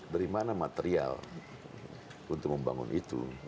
berimana material untuk membangun itu